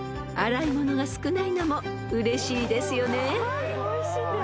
［洗い物が少ないのもうれしいですよね］